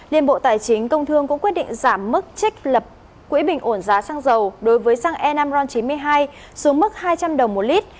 liên bộ tài chính công thương cũng quyết định giảm mức trích lập quỹ bình ổn giá xăng dầu đối với xăng e năm ron chín mươi hai xuống mức hai trăm linh đồng một lít